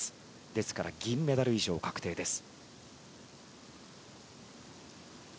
ですから銀メダル以上確定です。